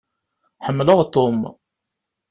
Ḥemmleɣ Tom.